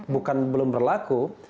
bukan belum berlaku